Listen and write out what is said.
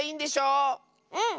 うん。